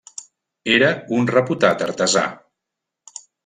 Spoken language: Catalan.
Era un reputat artesà.